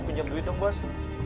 kamu siap duit dong bos